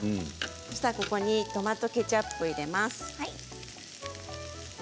そうしたらトマトケチャップを入れます。